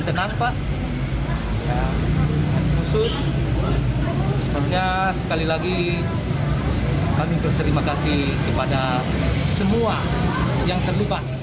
seharusnya sekali lagi kami berterima kasih kepada semua yang terlupa